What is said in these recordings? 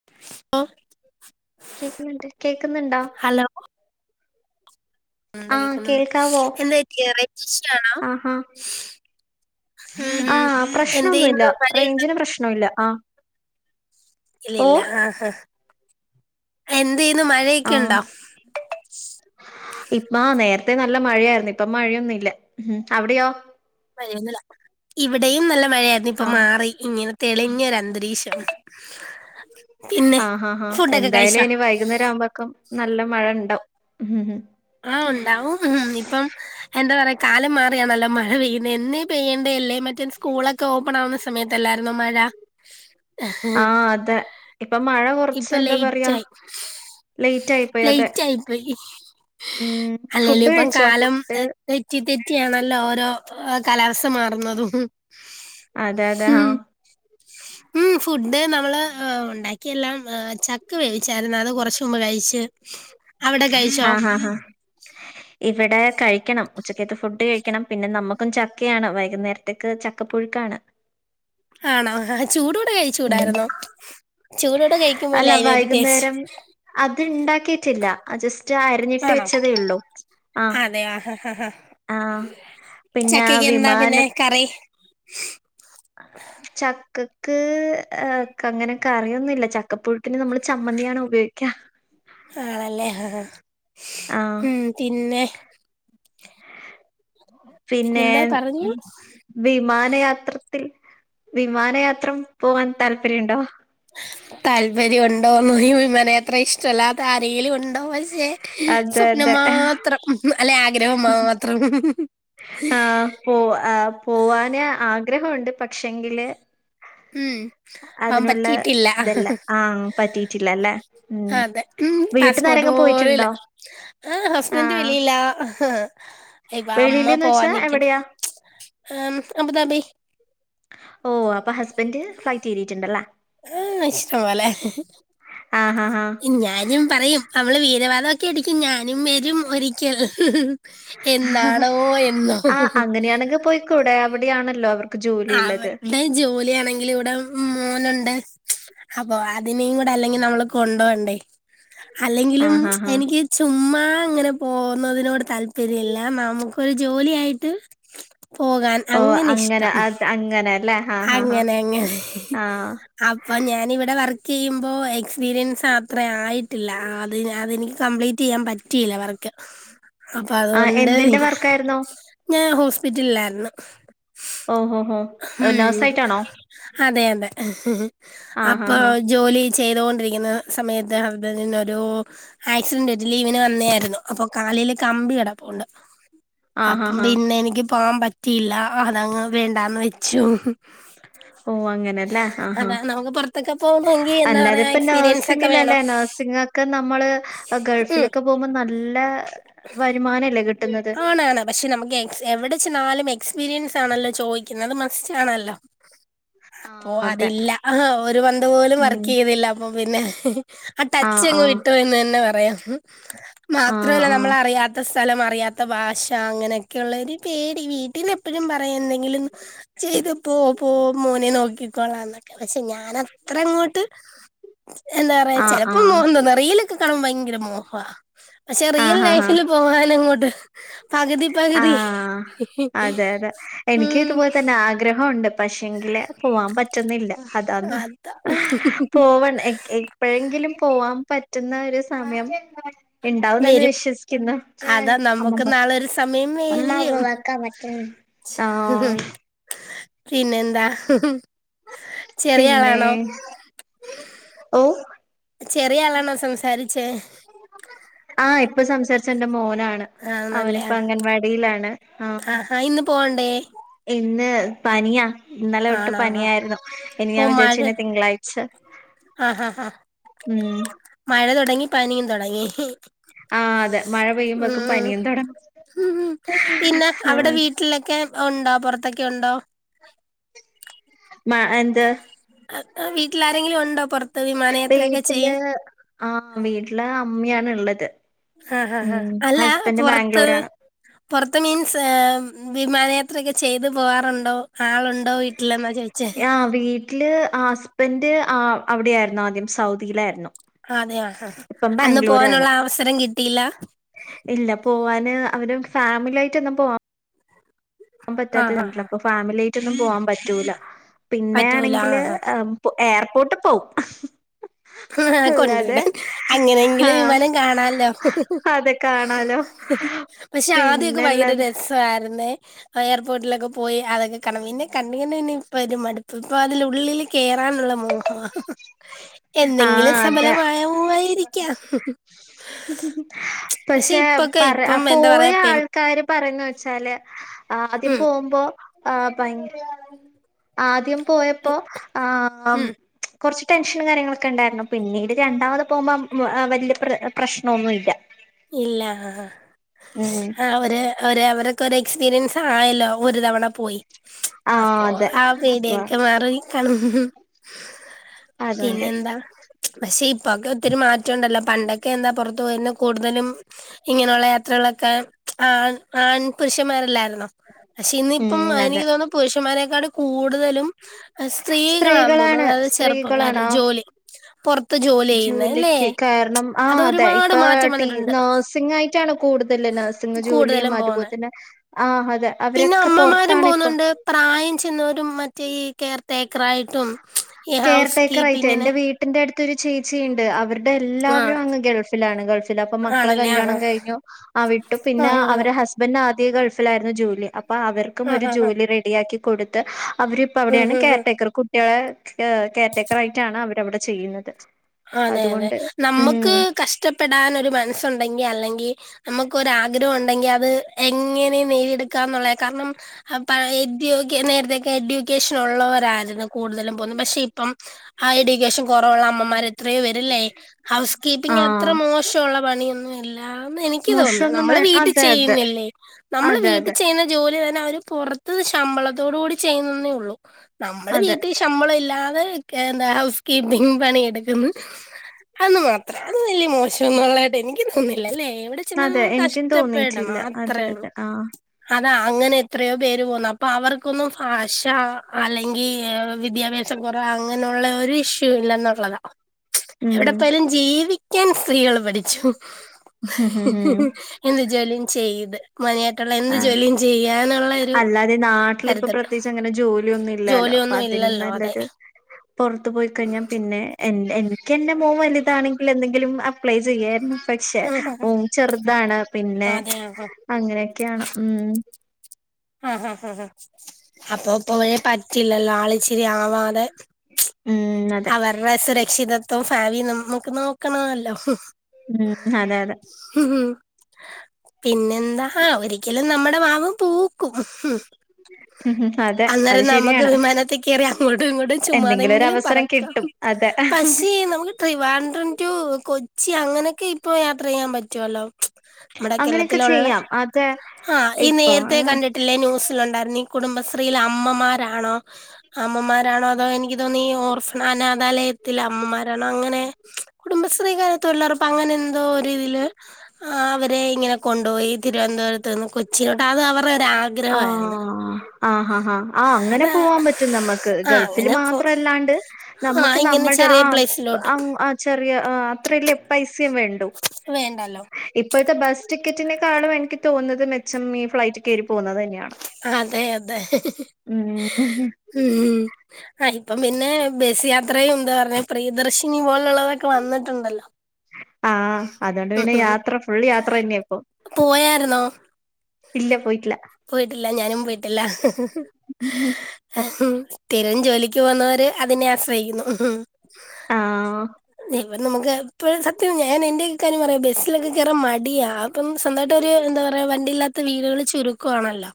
[inaudible] കേക്കുന്നുണ്ട് കേക്കുന്നുണ്ടോ ണ്ട് ആഹ് കേക്ന്ന്ണ്ട് കേൾക്കാവോ എന്താ [unintelligible] ആണോ ഉം ഉം ആഹ എന്ത് പ്രശ്നൊന്നുല്ല. ചെയ്യുന്നു മഴ റെയ്ഞ്ചിന് പ്രശ്നല്ല ആ ഇല്ല ഇല്ല ആഹ ആ എന്തേന്നു മഴക്കെ ആഹ് ണ്ടോ ഇപ്പ നേരത്തെ നല്ല മഴയായിരുന്നു ഇപ്പ മഴയൊന്നുംല്ല ഉ അവിടെയോ മഴയന്നില്ല ഇവിടെയും നല്ല മഴയായിരുന്നു ഇപ്പൊ ആഹ് മാറി ഇങ്ങനെ തെളിഞ്ഞൊര അന്തരീക്ഷം പിന്നെ ആ ആാ ആാ ഫുഡൊക്കെ എന്തായാലും കഴിച്ചോ ഇനി വൈകുന്നേരം ആവുമ്പക്കും നല്ല മഴ ണ്ടാവും ഹ് ഹ് ആഹ് ഉണ്ടാവും ഹ് ഇപ്പം എന്താ പറയാ കാലം മാറിയാണല്ലോ മഴ പെയ്യുന്നത് എന്നെ പെയ്യണ്ടല്ലേ മറ്റത് സ്കൂളൊക്കെ ഓപ്പൺ ആവുന്ന സമയത്തല്ലായിരുന്നോ മഴ ആഹ അതെ ഇപ്പൊ മഴ കൊറച്ച് ഇപ്പൊ എന്താ ലേറ്റ് പറയാ ആയി ലേറ്റ് ആയിപ്പോയി അതെ ലേറ്റ് ആയി പോയി ഉ അല്ലേലും പ്പം കാലം തെറ്റി തെറ്റിയണല്ലോ ഓരോ കാലാവസ്ഥ മാറുന്നതും അതെ അതെ ആഹ ഉം ഫുഡ് നമ്മള് ഉണ്ടാക്കിയ എല്ലാം ചക്ക വേവിച്ചായിരുന്നു അത് കുറച്ച മുമ്പ് കഴിച്ച് അവിടെ കഴിച്ചോ ആഹ് ഹാ ഹാ ഇവിടെ കഴിക്കണം ഉച്ചക്കത്ത് ഫുഡ് കഴിക്കണം പിന്നെ നമുക്കും ചക്കയാണ് വൈകുന്നേരത്തേക്ക് ചക്ക പുഴുക്കാണ് [inaudible] ആണോ ആ ചൂടോടെ കഴിച്ചൂടാര്ന്നോ ചൂടോടെ അല്ല കഴിക്കുമ്പോല്ലേ അതിനൊരു ടേസ്റ്റ് വൈകുന്നേരം അത് ണ്ടാക്കിട്ടില്ല ജസ്റ്റ് അരിഞ്ഞിട്ട് വെച്ചതേ ഉള്ളൂ ആ അതെ ആ ഹ ഹ ഹാ ആ പിന്നെ ചക്കയ്ക്ക് എന്താ വിമാന പിന്നെ കറി ചക്കക്ക് ആ അങ്ങനെ കറി യൊന്നുല്ല ചക്കപ്പുഴ പിന്നെ നമ്മള് ചമ്മന്തിയാണോ ഉപയോഗിക്ക ആണല്ലേ ഹ ഹാ ആഹ് ഉ പിന്നെ പിന്നെ പിന്നെന്താ പറഞ്ഞു ഉ വിമാനയാത്രത്തിൽ വിമാനയാത്ര പോവാൻ താല്പര്യംണ്ടോ താല്പര്യംണ്ടോന്നു വിമന യാത്ര ഇഷ്ടല്ലാത്ത ആരെങ്കിലും ഉണ്ടോ മാഷേ അതെ അതെ അത്ര അല്ലെ ആഗ്രഹം മാത്രം മ് ഹ് ഹ് ആഹ് പോ ആ പോവാന് ആഗ്രഹൊണ്ട് പക്ഷെങ്കില് ഉം അവൻ അതിനുള്ള പറ്റിയിട്ടില്ല ഇത്ല്ല ആഹ പറ്റിട്ടില്ല അല്ലേ ആഹ് അതെ ഉം പാസ്പോർട്ട്പൊല്യൂല പോയിട്ടുണ്ടോ ആ ഹുസ്ബൻഡ് വെളിയില ആഹ് ഉ [unintelligible] അമ്മ പോവാൻ നിക്കുന്നു അബുദാബി ഓ അപ്പൊ ഹസ്ബൻഡ് ഫ്ലൈറ്റ് കരിട്ട്ഉണ്ടേല്ല ആ, ഇഷ്ടം പോലെ അഹ് അഹ് അഹ് ഞാനും പറയും നമ്മള് വീരവാദമൊക്കെ അടിക്കും ഞാനും വരും ഒരിക്കൽ ആഹ് എന്നാണോ എന്നോ കൂടെ അവിടെയാണല്ലോ അവർക്ക് ജോലി ഉള്ളത് അവിടെ ജോലിയാണെങ്കിൽ ഇവിടെ മോനുണ്ട് അപ്പൊ അതിനേ കൂടെ അല്ലെങ്കിൽ നമ്മള് കൊണ്ടോവണ്ടേ അല്ലെങ്കിലും ആഹ് ആഹ് ആഹ് എനിക്ക് ചുമ്മാ ഇങ്ങനെ പോകുന്നതിനോട് താല്പര്യം ഇല്ല നമുക്കൊരു ജോലിയായിട്ട് പോകാൻ അങ്ങനെ ഇഷ്ട അങ്ങനെല്ലെ അങ്ങനെ അങ്ങനെ അപ്പൊ ഞാനിവിടെ വർക്ക് ചെയ്യുമ്പോ എക്സ്പീരിയൻസ് അത്ര ആയിട്ടില്ല അത് അതെനിക്ക് കംപ്ലീറ്റ് റ്റ് ചെയ്യാൻ പറ്റിയില്ല വർക്ക്‌ ആഹ് എന്തിന്റെ വർക്കായിരുന്നു ഞാൻ ഹോസ്പിറ്റലിലായിരുന്നു ഓഹോ ഓഹോ ഉം അതെ അതെ ആഹ് അപ്പൊ ആഹ് ജോലി ചെയ്തുകൊണ്ടിരിക്കുന്ന സമയത്ത് ഹസ്ബൻഡിനൊരു ആക്സിഡന്റ് പറ്റി ലീവിന് വന്നായിരുന്നു അപ്പൊ കാലിൽ കമ്പി കിടപ്പോണ്ട് ആഹ് ആഹ് അപ്പം ആഹ് ആഹ് പിന്നെ എനിക്ക് പോവാൻ പറ്റിയില്ല അതങ്ങ് വേണ്ടാന്ന് വെച്ചു ഓ അങ്ങനെല്ലേ ആഹ് അതാ നമുക്ക് പുറത്തൊക്കെ പോകണമെങ്കി എന്താ അല്ലാതെ പറയാ ഇപ്പ എക്സ്പീരിയൻസ് ഒക്കെ വേണം നഴ്സിങ്ങിലല്ലേ നഴ്സിംഗ് ഒക്കെ നമ്മള് ഉം ഗൾഫിലൊക്കെ പോകുമ്പോ നല്ല വരുമാനല്ലേ കിട്ടുന്നത് ാണ് പക്ഷെ നമുക്ക് എവിടെച്ചെന്നാലും എക്സ്പീരിയൻസ് ആണല്ലോ ചോദിക്കുന്നത് അത് മസ്റ്റ് ആണല്ലോ അപ്പൊ ആഹ് അതെ അതില്ല ഒരു മന്ത് പോലും ഉം വർക്ക് ചെയ്തില്ല അപ്പൊ പിന്നെ ആ ടച്ച്‌ ആഹ് അങ്ങ് ആഹ് വിട്ടു പോയിന്ന് തന്നെ പറയാം മാത്രല്ല ആഹ് നമ്മൾ അറിയാത്ത സ്ഥലം അറിയാത്ത ഭാഷ അങ്ങനെയൊക്കെയുള്ള ഒരു പേടി വീട്ടിന്ന് എപ്പോഴും പറയും എന്തെങ്കിലും ചെയ്ത് പോ പോ മോനെ നോക്കിക്കോളാംന്നൊക്കെ പക്ഷെ ഞാൻ അത്ര അങ്ങോട്ട് എന്താ പറയാ ആഹ് ചെലപ്പോ ആഹ് മോഹംതോന്നും റീൽലൊക്കെ കാണുമ്പോ ഭയങ്കര മോഹ പക്ഷെ റിയൽ ആഹ് ആഹ് ആഹ് ലൈഫില് പോകാനങ്ങോട്ട് പകുതി പകുതി ആഹ് അതെ അതെ എനിക്ക് ഉം ഇതുപോലെ തന്നെ ആഗ്രഹോണ്ട് പക്ഷെങ്കില് പോവാൻ പറ്റുന്നില്ല അതാന്ന് അതാ പോവണ എപ്പോഴെങ്കിലും പോവാൻ പറ്റുന്ന ഒരു സമയം ഉണ്ടാവും എന്ന് വരും വിശ്വസി കിന്നു അതാ നമ്മുക്ക് അമ്മമ്മ നാളെ ഒരു സമയം വരും [inaudible] പിന്നെന്താ ചെറിയ പിന്നെ ആളാണോ ഓ ചെറിയ ആളാണോ സംസാരിച്ചേ ആഹ് ഇപ്പൊ സംസാരിച്ച എന്റെ മോനാണ് ആഹ് അവനിപ്പ അംഗൻവാടിയിലാണ് ആഹ് ആഹ് ഇന്ന് പോവണ്ടേ ഇന്ന് പനിയാ ഇന്നലെ തൊട്ടു ആണോ ആഹ് പനിയായിരുന്നു ഇനി ഓ ഞാൻ മഴ വിചാരിച്ചു പിന്നെ തിങ്കളാഴ്ച ആഹ് ആഹ് ഉം മഴ തുടങ്ങി പനിയും തുടങ്ങി ആഹ് അതെ മഴ പെയ്യുമ്പക്കും പനിയും തുടങ്ങും ഉം ഉം പിന്നെ ആ അവിടെ വീട്ടിലൊക്കെ ഉണ്ടോ പുറത്തൊക്കെ ഉണ്ടോ മാ എന്ത്‌? വീട്ടിൽ ആരങ്കിലും ഉണ്ടോ പൊറത്ത് വിമാനയാത്രയൊക്കെ ചെയ്യൻ?. ആഹ് വീട്ടില് അമ്മയാണ് ള്ളത് ആഹ് ഹ ഹ അല്ല പൊറത്ത്? ബാംഗ്ലൂരാണ് പൊറത്ത് മീൻസ് വിമാനയാത്രൊക്കെ ചെയ്തു പോകറുണ്ടോ? ആള് യഹ് വീ വീട്ടില് ആഹ് ഹസ്ബൻഡ് അവിടെയായിരുന്നു ആദ്യം സൗദിയിലായിരുന്നു അതെയ ആഹ് ഇപ്പം അന്ന് ബാംഗ്ലൂരാണ് പോവാനുള്ള അവസരം കിട്ടിയില്ല? ഇല്ല പോവാന് അവര് ഫാമിലി ആയിട്ട് ഒന്നും പോവാ പോകൻ ആഹ് ആഹ് പറ്റാത്തണ്ടല്ലോ ആഹ് അപ്പൊ ഫാമിലി ആയിട്ടൊന്നും പോവാൻ പറ്റൂല പറ്റൂല പിന്നേണങ്കില് ആഹ് എയർപോർട്ട് പോവും ഹ് ഹ കൊണ്ട് അല്ലാതെ വിടാൻ അങ്ങനെങ്കിലും ആഹ് വിമാനം കാണാല്ലോ അതെ കാണാലോ [unintelligible] പക്ഷെ ആദ്യക്കെ ഭയങ്കര പിന്നെല്ലാതെ രസായിരു ന്നേ എയർപോർട്ടിലൊക്കെ പോയി അതൊക്കെ കണാൻ പിന്നെ കണ്ട് ക ണ്ടിങ്ങെന്നെ ഇപ്പൊ ഒരു മടുപ്പ് ഇപ്പൊ അതിലുള്ളില് കേയറാനുള്ള മോഹം എന്നെങ്കിലും ആഹ് അതെ സബലമായമവായിരിക്കാം പക്ഷെ പറ ഇപ്പം എന്താ പോയ പറയാ പെ ആൾക്കാര് പറയുന്ന വെച്ചാല് ആദ്യം ഉം പോവുമ്പോ ആഹ് ഭയ ആദ്യം പോയപ്പോ ആഹ് ഉം കൊറച്ച് ടെൻഷനും കാര്യങ്ങളൊക്കെ ഉണ്ടായിരുന്നു പിന്നീട് രണ്ടാമത് പോകുമ്പോ വലിയ പ്ര പ്രശ്നന്നുല്ല ഇല്ല ആഹ് ഉം അവര് അവര് അവർക്ക എക്സ്പീരിയൻസ് ആയല്ലോ ഒരു തവണ പോയി. ആഹ് അപ്പൊ അതെ ആ അപ്പൊ പേടിയൊക്കെ മാറി [unintelligible] പിന്നെ അതുകൊണ്ട് എന്താ? പക്ഷെ ഇപ്പൊക്കെ ഒത്തിരി മാറ്റം ഉണ്ടല്ലോ പണ്ടൊക്കെ എന്താ പുറത്തു പോയൊന്ന് കൂടുതലും ഇങ്ങനെയുള്ള യാത്രകളൊക്കെ ആ ആൺ പുരുഷന്മാരല്ലായിരുന്നോ? പക്ഷെ ഇന്നിപ്പം ഉം അതെ എനിക്ക് തോന്നുന്നു പുരുഷന്മാരെക്കാട് കൂടുതലും സ്ത്രീകളാന്ന് തോന്നു സ്ത്രീകളാണ് അതായത് ചെറുപ്പക്കാര് സ്ത്രീകളാണോ ജോലി പുറത്ത് ജോലി ചെയ്യുന്ന ഇല്ലേ ജോലിക്ക് അതൊരുപാട് മാ നഴ്സിംങ് യിട്ടാണ് കൂടുതല് നഴ്സിംഗ് ജോലിയും കൂടുതലും അതുപോലെ പോകുന്നെ തന്നെ ആഹ് അതെ അവരൊക്കെ പൊറത്താണ് ഇപ്പൊ ണ്ട് പ്രായം ചെന്നവരും മറ്റേ ഈ കെയർ ടേക്കർ ആയിട്ടും കെയർ ടേക്കർ ആയിട്ട് എന്റെ വീട്ടിന്റെ അടുത്തൊരു ചേച്ചിയിണ്ട് അവര് ഇവിടെ എല്ലാവരും ആഹ് അങ്ങ് ഗൾഫിലാണ് ഗൾഫില് അപ്പൊ മക്കളെ ആണല്ലേ കല്യാണം ആഹ് കഴിഞ്ഞു. ആ വിട്ടു പിന്നെ ആഹ് ആഹ് അവരെ ഹസ് ബന്റ് ആദ്യ ഗൾഫിലായിരുന്നു ജോലി അപ്പൊ അവർക്കും ആഹ് ഒരു ആഹ് ആഹ് ജോലി റെഡിയാക്കി കൊടുത്ത് അവരിപ്പ ഉം അവിടെയാണ് ഉം കെയർ ഉം ടേക്കർ കുട്ടികളെ കെയർ ടേക്കർ ആയിട്ടാണ് അവരവിടെ ചെയ്യുന്നത് അതെ അതെ അതുകൊണ്ട് നമ്മുക്ക് ഉം കഷ്ടപ്പെടൻ ഒരു മനസ്സുണ്ടെങ്കി അല്ലെങ്കിൽ നമുക്ക് ഒരാഗ്രഹം ഉണ്ടെങ്കി അത് എങ്ങനെ നേടിയെടുക്കാന്നുള്ള കാരണം അപ്പ എ [unintelligible] നേരത്തെക്കെ എഡ്യൂക്കേഷൻ ഉള്ളവരായിരുന്നു കൂടുതലും പോകുന്നേ പക്ഷെ ഇപ്പം ഹൈ എഡ്യുക്കേഷൻ കുറവുള്ള അമ്മമാരെ അത്രയും വരില്ലേ ഹൗസ് ആ കീപ്പിംഗ് അത്ര മോശള്ള പണിയൊന്നും ഇല്ല ന്ന് എനിക്ക് തോന്നുന്നു മോശൊന്നും നമ്മളെ വേ വീട്ടിൽ അതെ അതെ ചെയ്യുന്നില്ലേ നമ്മള് അതെ വീട്ടിൽ അതെ ചെയ്യുന്ന ജോലി തന്നെ അവരു പുറത്ത് ശമ്പളത്തോട കൂടി ചെയ്യുന്നന്നേ ഉള്ളൂ നമ്മള് അതെ വീട്ടി ശ് ശമ്പളം ഇല്ലാതെ ക് എന്താ ഹൗസ് കീപ്പിംഗ് പണി എടുക്കുന്നു അത് മാത്രം അത് വലിയ മോശ ന്നുള്ളതായിട്ട് എനിക്ക് തോന്നില്ല അല്ലേ എവിടെ ച്ച്മ്മ അതെ എനിക്കും കഷ്ടപ്പെടണം തോന്നിയിട്ടില്ല അതെ അത്രേ ഉള്ളൂ. അതെ ആഹ് അതാ അങ്ങനെ എത്രയോ പേര് പോന്നുന്നു അപ്പൊ അവർക്കൊന്നും ഭാഷ അല്ലെങ്കിൽ വിദ്യാഭ്യാ പച്ച [unintelligible] കുറവ അങ്ങനെയുള്ള ഒരു ഇഷ്യൂ ഇല്ലെന്നുള്ളതാ. എവിടെ ഉം പ്പൊയ ലും ജീവിക്കാൻ സ്ത്രീകൾ പഠിച്ചു എന്ത് ജോലിയും ചെയ്ത് മനായിട്ടുള്ള എന്ത് ആഹ് ജോലിയും ചെയ്യാനുള്ള ഒരു അല്ലാതെ നാട്ടിലിപ്പൊ കരുതുണ്ട് പ്രത്യേകിച്ച് അങ്ങനെ ജോലിയൊന്നും ഇല്ലാലോ അപ്പൊ ജോലിയൊന്നും അതിനും ഇല്ലല്ലോ അതെ നല്ലൊരു പുറത്തു പോയിക്കഴിഞ്ഞാൽ പിന്നെ എ എനിക്ക് എന്റെ മോൻ വലുതാണെങ്കിൽ എന്തെങ്കിലും അപ്ലൈ ചെയ്യായിരുന്നു പക്ഷെ മോൻ ചെറുതാണ് പിന്നെ അതെ ആഹ് അങ്ങനെയൊക്കെയാണ് ഉം അഹാ ഹാ ഹ അപ്പൊ പോഴെ പറ്റില്ലല്ലോ ആള് ഇിച്ചിരി ആവാതെ ഉം അതെ അവരുടെ സുരക്ഷിതത്വം ഫാവി നമുക്ക് നോക്കണല്ലോ ഉം അതെ അതെ ഉം പിന്നെന്താ ഒരിക്കലും നമ്മുടെ മാവും പൂ ക്കും ഉം അതെ അത് അന്നേരം നമുക്ക് ശരിയാണ് വിമാനത്തി കയറി അങ്ങോട്ടും ഇങ്ങോട്ടും എന്തെങ്കിലും ഒരു ചുമ്മാതെങ്കിലും പറക്കാം [unintelligible] അതെ പക്ഷേ നമുക്ക് ട്രിവാൻഡ്രം ടു കൊച്ചി അങ്ങനെയൊക്കെ ഇപ്പൊ യാത്ര ചെയ്യാൻ പറ്റുവല്ലോ നമ്മടെ അങ്ങനെയൊക്കെ കേരളത്തിലുള്ള ചെയ്യാം അതെ ആ ഈ ഇപ്പൊ നേരത്തെ കണ്ടിട്ട് ട്ടില്ലേ ന്യൂസിലുണ്ടായിരുന്നു ഈ കുടുംബശ്രീൽ അമ്മമാരാണോ അമ്മമാരാണോ അതോ എനിക്ക് തോന്നി ഈ ഓർഫൺ അനാഥാലയത്തിലെ അമ്മമാരാണോ അങ്ങനെ കുടുംബശ്രീകാര് തൊഴിലുറപ്പ് അങ്ങനെ എന്തോ ഒരുതില് ആ അവരെ ഇങ്ങനെ കൊണ്ടുപോയി തിരുവനന്തപുരത്ത് നിന്ന് കൊച്ചിയിലോട്ട് അത് അവരുടെ ഒരാ ആ ആഹ ഹാ ആ അങ്ങനെ അതാ പോവാൻ പറ്റും നമ്മുക്ക് ആ ഗൾഫിൽ അങ്ങനെ പോ മാത്രല്ലാണ്ട് ആ നമുക്ക് ഇങ്ങനെ നമ്മുടെ ചെറിയ പ്ലേസിലോട്ട് ആ ആ ചെറിയ ആ അത്രല്ലേ പൈസയും വേണ്ടു വേണ്ടല്ലോ ഇപ്പോഴത്തെ ബസ് ടിക്കറ്റിനെക്കാളും എനിക്ക് തോന്നുന്നത് മെച്ചം ഈ ഫ്ലൈറ്റ് കയറി പോകുന്നത് തന്നെയാണ് അതെ അതെ ഉം ഉം ആഹ് ഇപ്പം പിന്നെ ബസ് യാത്രയും എന്താ പറഞ്ഞ പ്രിയദർശിനി പോലുള്ളതൊക്കെ വന്നിട്ടുണ്ടല്ലോ ആഹ് അതുകൊണ്ട് പിന്നെ യാത്ര ഫുൾ യാത്ര തന്നെയാ ഇപ്പൊ പോയായിരുന്നോ ഇല്ല പോയിട്ടില്ല പോയിട്ടില്ല ഞാനും പോയിട്ടില്ല സ്ഥിരം ജോലിക്ക് പോകുന്നവര് അതിനെ ആശ്രയിക്കുന്നു ആഹ് അപ്പം നമുക്ക് ഇപ്പോഴ സത്യം ഞാൻ എന്റെയൊക്കെ കാര്യം പറയാം ബസ്സിലൊക്കെ കേറാൻ മടിയാ അപ്പം സ്വന്തമായിട്ട് ഒരു എന്താ പറയാ വണ്ടി ഇല്ലാത്ത വീടുകൾ ചുരുക്കാണല്ലോ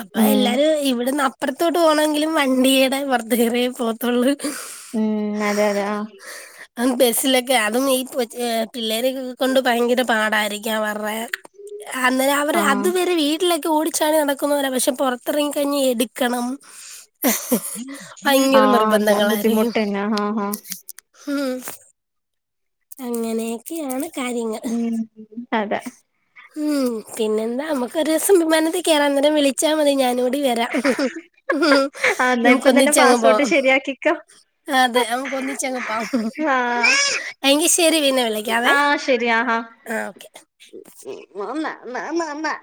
അപ്പൊ ഉം എല്ലാരും ഇവിടുന്ന് അ പ്പറത്തോട്ട് പോണമെങ്കിലും വണ്ടിയടെ പൊറത്ത് കേറിയേ പോകത്തുള്ളൂ ഉം അതെ അതെ ആ അങ്ങ് ബസിലൊക്കെ അതും ഈ പിള്ളേരെ ഒക്കെ കൊണ്ട് ഭയങ്കര പാടായിരിക്കും അവർടെ അന്നെ അവർ ആഹ് അതുവരെ വീ ട്ടിൽ ഓടിച്ചാടി നടക്കുന്നോരാ പക്ഷെ പൊറത്തിറങ്ങി കഴഞ്ഞ എടുക്കണം ഭയങ്കര ആഹ് അതെ നിർബന്ധങ്ങളായിരിക്കും ബുദ്ധിമുട്ടന്നെ ആഹ് ആഹ് ഉം അങ്ങനെയൊക്കെയാണ് കാര്യങ്ങൾ ഉം അതെ ഉം പിന്നെന്താ നമുക്ക് ഒരു ദിവസം വിമാനത്തെ കേറ അന്നേരം വിളിച്ചാൽ മതി ഞാന് കൂടി വരാം ഉം ആ എന്നാ നമുക്ക് ഇപ്പം തന്നെ ഒന്നിച്ചങ്ങ് പോവാ പാസ്പോർട്ട് ശരിയാക്കിക്കോ അതെ നമുക്ക് ഒന്നിച്ചങ്ങ് പോവാ ആഹ് എങ്കി ശരി പിന്നെ വിളക്കാവേ ആ ഓക്കെ ന്ന ആ ആമ്മ